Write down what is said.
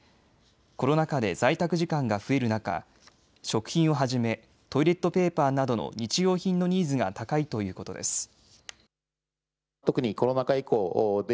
コロナ禍で在宅時間が増える中、食品をはじめトイレットペーパーなどの日用品のニーズが高いということです。